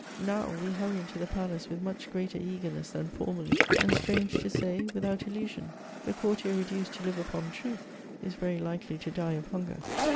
Now, we hurry into the palace with much greater eagerness than formerly, and, strange to say, without illusion. A courtier reduced to live upon truth, is very likely to die of hunger.